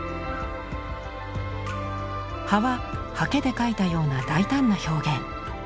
葉は刷毛で描いたような大胆な表現。